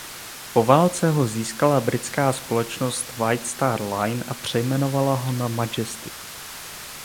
Po válce ho získala britská společnost White Star Line a přejmenovala ho na "Majestic".